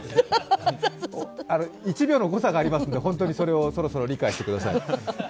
１秒の誤差がありますので、本当にそれをそろそろ理解してください。